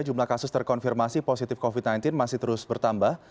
jumlah kasus terkonfirmasi positif covid sembilan belas masih terus bertambah